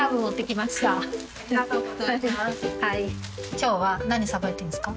今日は何さばいてるんですか？